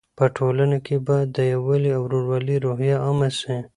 په ټولنه کې باید د یووالي او ورورولۍ روحیه عامه سي.